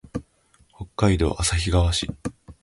北海道旭川市